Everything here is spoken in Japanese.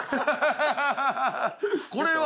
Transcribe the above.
これは。